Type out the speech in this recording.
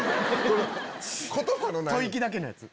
吐息だけのやつ。